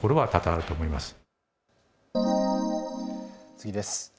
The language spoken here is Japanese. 次です。